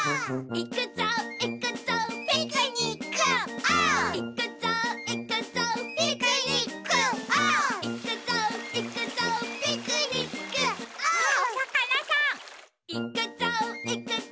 「いくぞいくぞ」